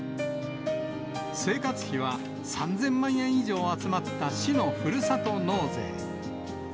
生活費は３０００万円以上集まった市のふるさと納税。